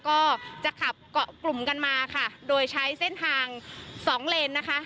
ก็จะขับเกาะกลุ่มกันมาค่ะโดยใช้เส้นทางสองเลนนะคะ